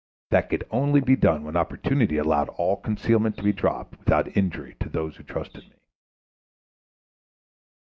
That could only be done when opportunity allowed all concealment to be dropped without injury to those who trusted me.